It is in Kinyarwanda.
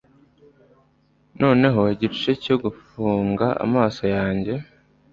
Noneho igice cyo gufunga amaso yanjye